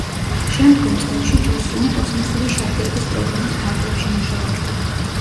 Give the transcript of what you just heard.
შემდგომ წლებში ჯონსონი კოსმოსური შატლების პროგრამის ფარგლებში მუშაობდა.